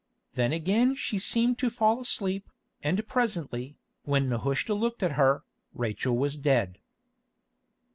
Then again she seemed to fall asleep, and presently, when Nehushta looked at her, Rachel was dead.